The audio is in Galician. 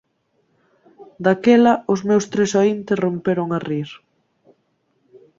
Daquela, os meus tres oíntes romperon a rir.